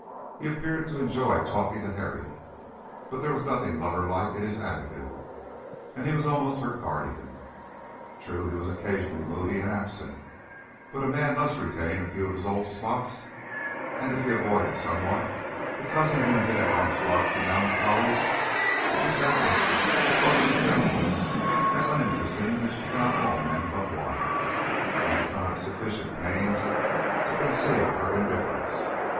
He appeared to enjoy talking to Harriet, but there was nothing lover like in his attitude, and he was almost her guardian. True, he was occasionally moody and absent, but a man must retain a few of his old spots; and if he avoided somewhat the cousin whom he had once loved to melancholy, it was doubtless because she found him as uninteresting as she found all men but one, and was not at sufficient pains to conceal her indifference.